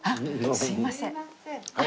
すいません。